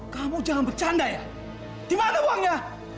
kamu jangan bercanda ya gimana uangnya